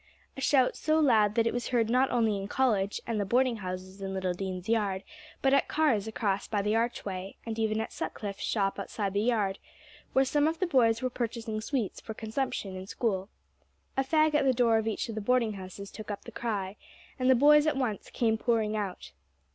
A shout so loud that it was heard not only in College and the boarding houses in Little Dean's Yard, but at Carr's across by the archway, and even at Sutcliffe's shop outside the Yard, where some of the boys were purchasing sweets for consumption in school. A fag at the door of each of the boarding houses took up the cry, and the boys at once came pouring out.